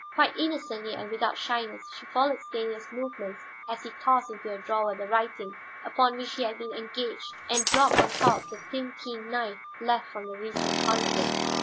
Quite innocently and without shyness she followed Stanief's movements as he tossed into a drawer the writing upon which he had been engaged and dropped on top the thin, keen knife left from the recent conflict.